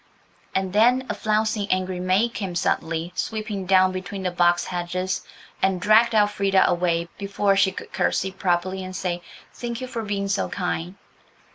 And then a flouncing, angry maid came suddenly sweeping down between the box hedges and dragged Elfrida away before she could curtsey properly and say, "Thank you for being so kind."